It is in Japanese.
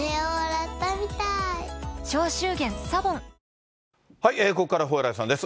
さらに、ここからは蓬莱さんです。